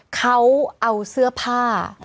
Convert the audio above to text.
เขาเอาเสื้อผ้า